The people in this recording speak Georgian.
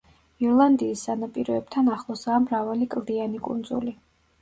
ირლანდიის სანაპიროებთან ახლოსაა მრავალი კლდიანი კუნძული.